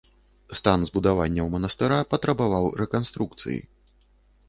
Стан збудаванняў манастыра патрабаваў рэканструкцыі.